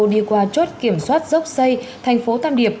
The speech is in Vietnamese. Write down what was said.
đi qua chốt kiểm soát dốc xây thành phố tam điệp